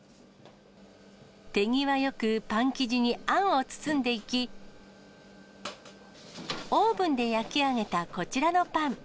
手際よくパン生地にあんを包んでいき、オーブンで焼き上げたこちらのパン。